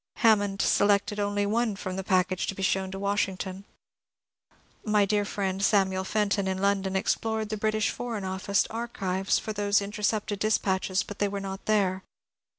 Hammond selected only one from the package to be shown Washington." My dear friend Samuel Fenton in London explored the British Foreign Office archives for those inter cepted dispatches, but they were not there.